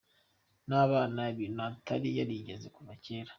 n’abana, ibintu atari yarigeze kuva kera.